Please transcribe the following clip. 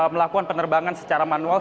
melakukan penerbangan secara manual